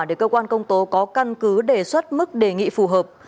để cơ quan công tố có căn cứ đề xuất mức đề nghị phù hợp